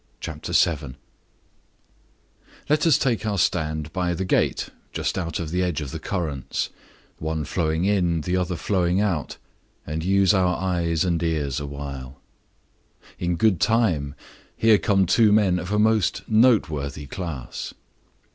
CHAPTER VII Let us take our stand by the gate, just out of the edge of the currents—one flowing in, the other out—and use our eyes and ears awhile. In good time! Here come two men of a most noteworthy class.